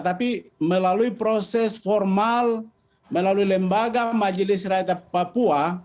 tapi melalui proses formal melalui lembaga majelis rakyat papua